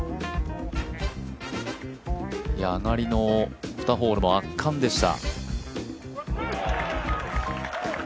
上がりの２ホールも圧巻でした。